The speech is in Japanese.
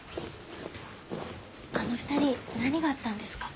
あの２人何があったんですか？